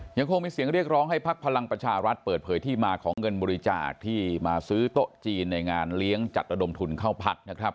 ยังคงมีเสียงเรียกร้องให้พักพลังประชารัฐเปิดเผยที่มาของเงินบริจาคที่มาซื้อโต๊ะจีนในงานเลี้ยงจัดระดมทุนเข้าพักนะครับ